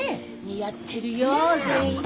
似合ってるよ善一！